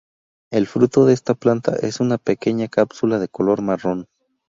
El fruto de esta planta es una pequeña cápsula de color marrón.